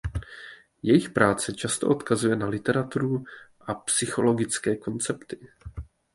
Jejich práce často odkazuje na literaturu a psychologické koncepty.